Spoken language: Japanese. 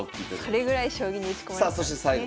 それぐらい将棋に打ち込まれたんですね。